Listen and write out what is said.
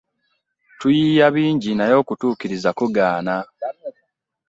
Tuyiiya bingi naye okutuukiriza kugaana.